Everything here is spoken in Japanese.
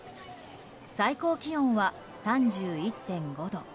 最高気温は３１．５度。